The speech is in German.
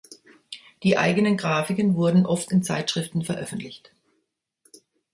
Die eigenen Grafiken wurden oft in Zeitschriften veröffentlicht.